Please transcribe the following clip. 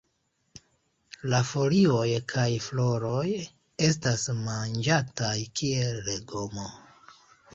La folioj kaj floroj estas manĝataj kiel legomo.